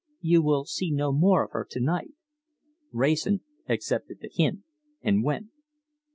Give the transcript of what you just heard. "You will see no more of her to night." Wrayson accepted the hint and went.